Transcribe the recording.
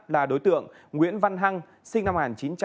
là đối tượng nguyễn văn hăng sinh năm một nghìn chín trăm sáu mươi chín